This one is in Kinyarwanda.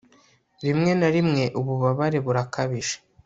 rimwe na rimwe, ububabare burakabije